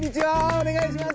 お願いします